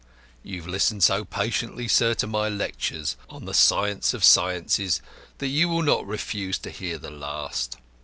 You have listened so patiently, sir, to my lectures on the science of sciences that you will not refuse to hear the last.